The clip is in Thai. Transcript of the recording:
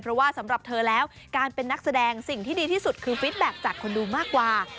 เพราะว่าสำหรับเธอแล้วการเป็นนักแสดงสิ่งที่ดีที่สุดคือฟิตแบ็คจากคนดูมากกว่า